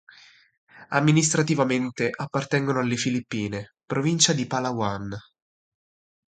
Amministrativamente appartengono alle Filippine, Provincia di Palawan.